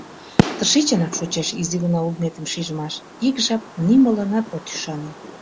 Тышечынак шочеш изи гына улметым шижмаш, ик жап нимоланат от ӱшане.